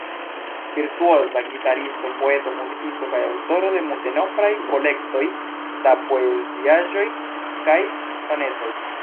Virtuoza gitaristo, poeto, muzikisto kaj aŭtoro de multenombraj kolektoj da poeziaĵoj kaj sonetoj.